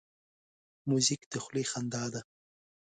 موزیک د خولې خندا ده.